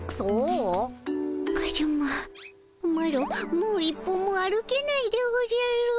カズママロもう一歩も歩けないでおじゃる。